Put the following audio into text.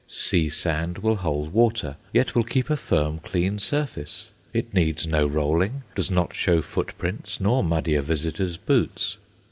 Sea sand will hold water, yet will keep a firm, clean surface; it needs no rolling, does not show footprints nor muddy a visitor's boots.